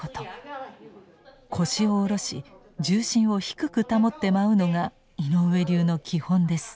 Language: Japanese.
腰を下ろし重心を低く保って舞うのが井上流の基本です。